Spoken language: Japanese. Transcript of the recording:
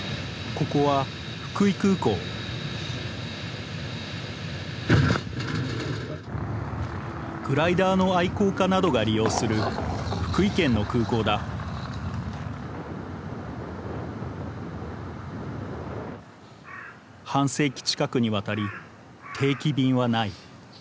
ここは福井空港グライダーの愛好家などが利用する福井県の空港だ半世紀近くにわたり定期便はない。